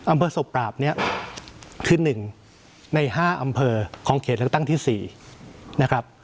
อำเภอศพปราบเนี่ยคือ๑ใน๕อำเภอของเขตเลือกตั้งที่๔นะครับ